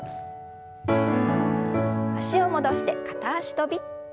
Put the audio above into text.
脚を戻して片脚跳び。